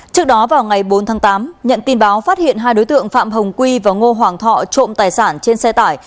trước đó vào ngày bốn tháng tám nhận tin báo phát hiện hai đối tượng phạm hồng quy và ngô hoàng thọ trộm tài sản trên xe tải